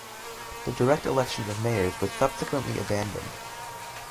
The direct election of mayors was subsequently abandoned.